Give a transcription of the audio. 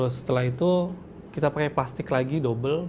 setelah itu kita pakai plastik lagi double